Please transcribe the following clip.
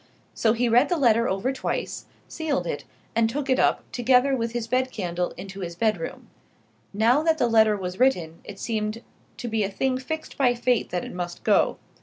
So he read the letter over twice, sealed it, and took it up, together with his bed candle, into his bed room. Now that the letter was written it seemed to be a thing fixed by fate that it must go.